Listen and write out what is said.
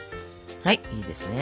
はいいいですね